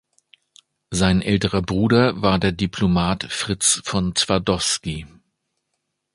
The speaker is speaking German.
Sein älterer Bruder war der Diplomat Fritz von Twardowski.